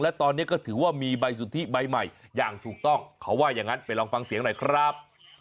และตอนนี้ก็ถือว่ามีใบสุทธิใบใหม่อย่างถูกต้องเขาว่าอย่างนั้นไปลองฟังเสียงหน่อยครับ